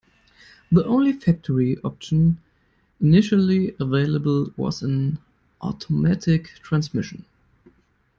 The only factory option initially available was an automatic transmission.